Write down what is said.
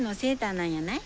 なんやない？